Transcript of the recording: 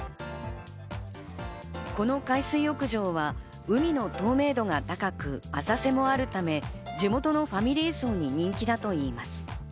この海水浴場は海の透明度が高く、浅瀬もあるため、地元のファミリー層に人気だといいます。